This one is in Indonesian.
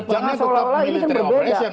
jangan tetap military operation pak